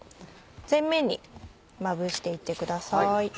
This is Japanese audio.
全面にまぶして行ってください。